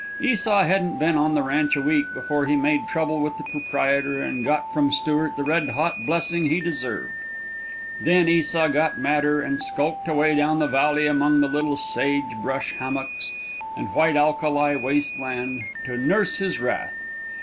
Esau hadn't been on the ranch a week before he made trouble with the proprietor and got from Stewart the red hot blessing he deserved. Then Esau got madder and skulked away down the valley among the little sage brush hummocks and white alkali wasteland, to nurse his wrath.